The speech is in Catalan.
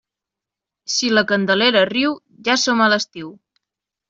Si la Candelera riu, ja som a l'estiu.